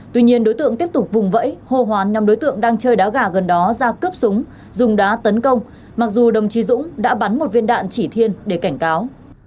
tuy nhiên đối tượng tiếp tục vùng vẫy hô hoán năm đối tượng đang chơi đá gà gần đó ra cướp súng dùng đá tấn công mặc dù đồng chí dũng đã bắn một viên đạn chỉ thiên để cảnh cáo